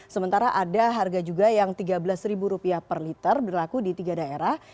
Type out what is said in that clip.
sementara ada harga juga yang rp tiga belas per liter berlaku di tiga daerah